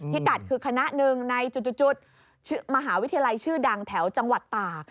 กัดคือคณะหนึ่งในจุดมหาวิทยาลัยชื่อดังแถวจังหวัดตาก